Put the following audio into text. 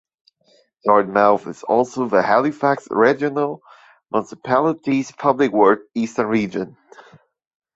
Dartmouth is also the Halifax Regional Municipality's Public Works Eastern Region.